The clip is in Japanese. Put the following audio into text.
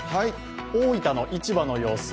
大分の市場の様子